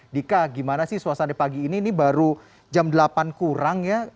dika gimana sih suasana pagi ini ini baru jam delapan kurang ya